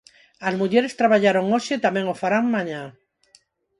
As mulleres traballaron hoxe e tamén o farán mañá.